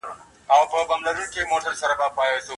کمپيوټر عدالت ګړندی کوي.